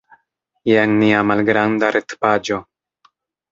Jen nia malgranda retpaĝo.